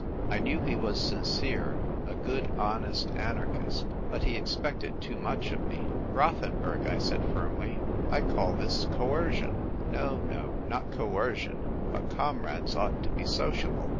I knew he was sincere — a good, honest anarchist ; but he expected too much of me. " Rothenburg," I said firmly, " I call this coercion." " No, no ; not coercion ; but comrades ought to be sociable."